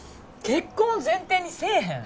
結婚を前提にせえへん？